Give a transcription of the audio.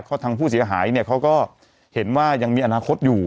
เพราะทางผู้เสียหายเนี่ยเขาก็เห็นว่ายังมีอนาคตอยู่